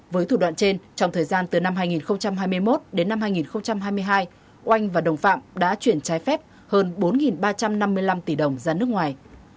với thủ đoạn trên trong thời gian từ năm hai nghìn hai mươi một đến năm hai nghìn hai mươi hai oanh và đồng phạm đã chuyển trái phép hơn bốn ba trăm năm mươi năm tỷ đồng ra nước ngoài